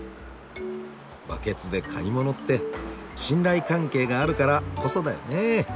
バケツで買い物って信頼関係があるからこそだよね。